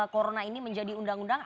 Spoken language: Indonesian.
corona ini menjadi undang undang